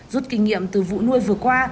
rút kinh nghiệm từ vụ nuôi vừa qua